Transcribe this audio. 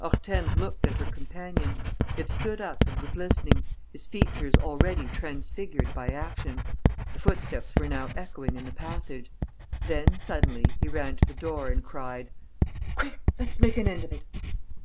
Hortense looked at her companion. He had stood up and was listening, his features already transfigured by action. The footsteps were now echoing in the passage. Then, suddenly, he ran to the door and cried: "Quick! Let's make an end of it!"